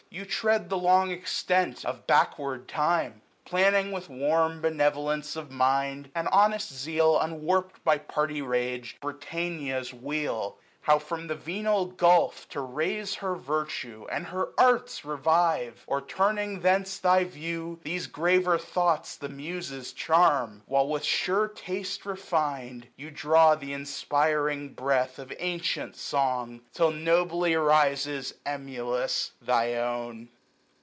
You tread the long extent of backward time ; Planning, with warm benevolence of mind, 925 And honest zeal unwarp'd by party rage, Britannia's weal ; how from the venal gulph To raise her virtue, and her arts revive. Or, turning thence thy view, these graver thoughts The Muses charm : While, with sure taste refin'd, 930 You draw th* inspiring breath of antient song ; Till nobly rises, emulous, thy own.